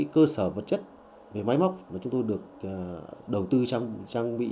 cơ sở vật chất máy móc mà chúng tôi được đầu tư trang bị